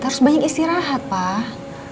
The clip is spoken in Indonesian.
harus banyak istirahat pak